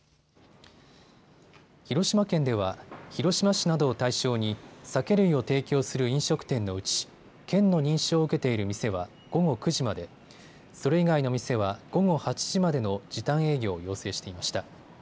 広島県では広島市などを対象に酒類を提供する飲食店のうち県の認証を受けている店は午後９時まで、それ以外の店は午後８時までの時短営業を要請していました。